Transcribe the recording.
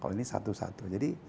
kalau ini satu satu